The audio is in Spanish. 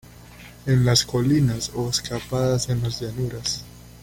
En las colinas, o escapadas en las llanuras.